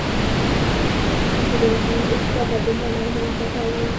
چي د انسان اوښکه به دومره نرمه او سپا وې